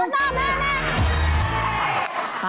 ต้องต้องแม่